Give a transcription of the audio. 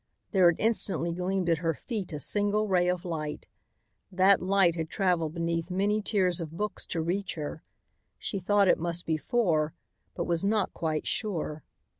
There had instantly gleamed at her feet a single ray of light. That light had traveled beneath many tiers of books to reach her. She thought it must be four but was not quite sure.